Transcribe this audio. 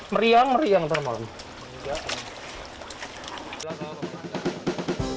meriang meriang nanti malam